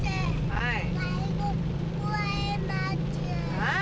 はい。